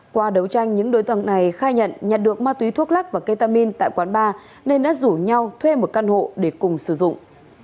qua đấu tranh những đối tượng này khai nhận nhặt được ma túy thuốc lắc và ketamin tại quán bar nên đã rủ nhau thuê một căn hộ để cùng sử dụng